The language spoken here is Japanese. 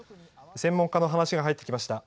専門家の話が入ってきました。